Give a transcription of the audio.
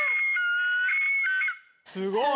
すごい。